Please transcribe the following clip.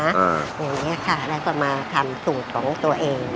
อย่างนี้ค่ะแล้วก็มาทำสูตรของตัวเอง